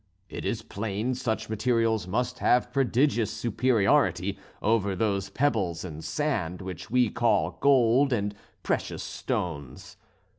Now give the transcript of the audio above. It is plain such materials must have prodigious superiority over those pebbles and sand which we call gold and precious stones.